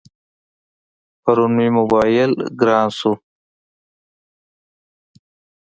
پرون مې موبایل گران شو.